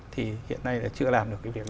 thì hiện nay là chưa làm được cái việc